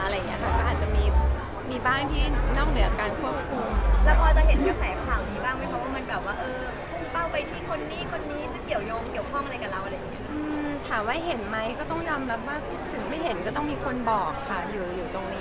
แต่อาจจะมีบ้านที่นอกเหนือการควบคุม